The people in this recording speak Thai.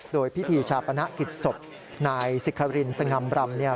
โดยพิธีชาปณะกิจศพนายสิคารินสงำรำ